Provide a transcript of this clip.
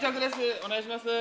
お願いします。